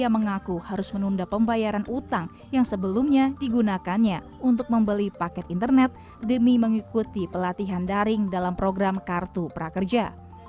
mengaku harus menunda pembayaran utang yang sebelumnya digunakannya untuk membeli paket internet demi mengikuti pelatihan daring dalam program kartu prakerja